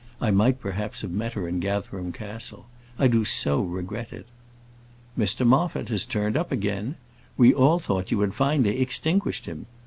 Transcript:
I might perhaps have met her at Gatherum Castle. I do so regret it. "Mr Moffat has turned up again. We all thought you had finally extinguished him.